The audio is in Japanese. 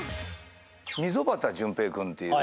溝端淳平君って。